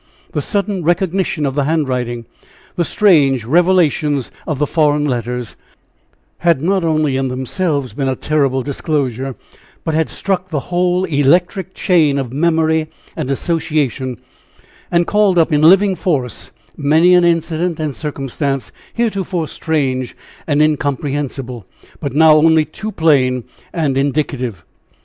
The sudden recognition of the handwriting, the strange revelations of the foreign letters, had not only in themselves been a terrible disclosure, but had struck the whole "electric chain" of memory and association, and called up in living force many an incident and circumstance heretofore strange and incomprehensible; but now only too plain and indicative.